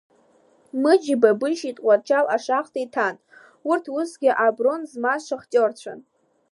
Мыџьеи Бабышьи Тҟәарчал ашахта иҭан, урҭ усгьы аброн змаз шахтиорцәан…